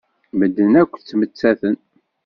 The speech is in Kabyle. Medden akk ttmettaten.